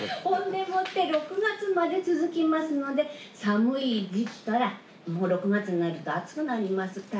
ほんでもって６月まで続きますので寒い時期からもう６月になると暑くなります。